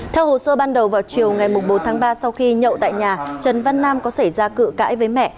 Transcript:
theo hồ sơ ban đầu vào chiều ngày bốn tháng ba sau khi nhậu tại nhà trần văn nam có xảy ra cự cãi với mẹ